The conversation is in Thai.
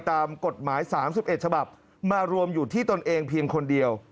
ตามกฎหมาย๓๑ฉบับมารวมอยู่ที่ตนเองเพียงคนเดียว